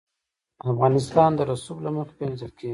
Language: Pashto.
افغانستان د رسوب له مخې پېژندل کېږي.